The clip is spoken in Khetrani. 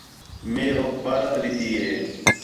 مئے ہوک پارت ݙِتی ہِے